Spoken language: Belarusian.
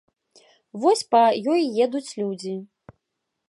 Вось па ёй едуць людзі.